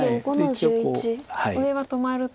上は止まると。